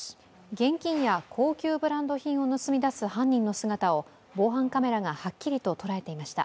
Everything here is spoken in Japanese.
現金や高級ブランド品を盗み出す犯人の姿を防犯カメラがはっきりと捉えていました。